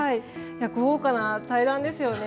豪華な対談ですよね。